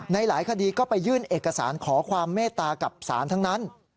หลายคดีก็ไปยื่นเอกสารขอความเมตตากับศาลทั้งนั้น